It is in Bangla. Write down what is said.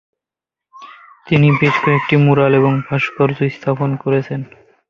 তিনি বেশ কয়েকটি ম্যুরাল এবং ভাস্কর্য স্থাপন করেছেন।